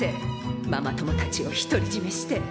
ママ友たちを独り占めして。